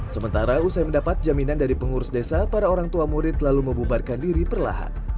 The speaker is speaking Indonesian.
sementara usai mendapat jaminan dari pengurus desa para orang tua murid lalu membubarkan diri perlahan